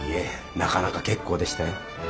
なかなか結構でしたよ。